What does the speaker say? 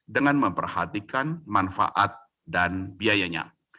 dengan memperhatikan manfaat dan biayanya